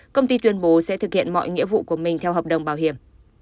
công ty tuyên bố sẽ thực hiện mọi nghĩa vụ của mình theo hợp đồng bảo hiểm